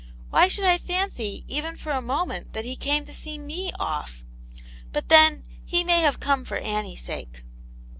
"Why should I fancy, even for a moment, that he came to see 7Ue off? But then, he may have come /or Annie's sake."